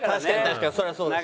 確かに。